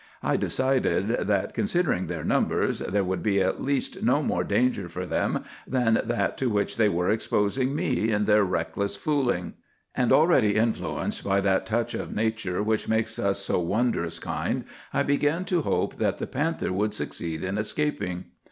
I decided that, considering their numbers, there would be at least no more danger for them than that to which they were exposing me in their reckless fooling. And, already influenced by that touch of nature which makes us so wondrous kind, I began to hope that the panther would succeed in escaping.